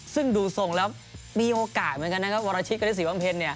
ซึ่งดูทรงแล้วมีโอกาสเหมือนกันนะครับวรชิตกับที่สิวังเพลนเนี่ย